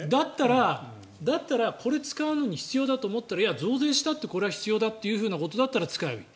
だったらこれを使うのに必要だと思ったらいや、増税したってこれは必要だということだったら使えばいい。